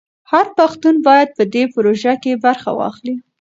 هر پښتون باید په دې پروژه کې برخه واخلي.